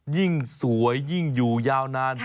ยิ่งสวยยิ่งอยู่ยาวนาน